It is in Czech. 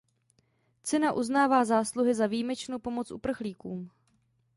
Cena uznává zásluhy za výjimečnou pomoc uprchlíkům.